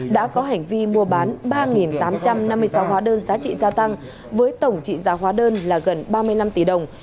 đã có hành vi mua bán ba tám trăm năm mươi sáu hóa đơn giá trị gia tăng với tổng trị giá hóa đơn là gần ba mươi năm tỷ đồng